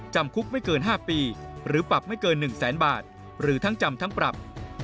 จำคุกไม่เกิน๕ปีหรือปรับไม่เกิน๑แสนบาทหรือทั้งจำทั้งปรับ